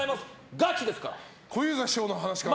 ガチですから。